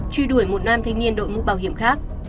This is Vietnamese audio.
truy đuổi một nam thanh niên đội mũ bảo hiểm khác